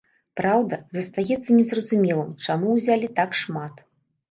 Праўда, застаецца незразумелым, чаму ўзялі так шмат.